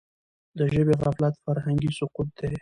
د ژبي غفلت فرهنګي سقوط دی.